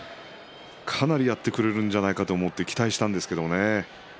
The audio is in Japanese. かなりやってくれるんじゃないかと期待していたんですがね。